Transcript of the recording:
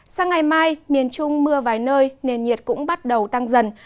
sang ngày mai miền trung mưa vài nơi nền nhiệt cũng bắt đầu tăng dần